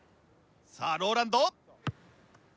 さあＲＯＬＡＮＤ。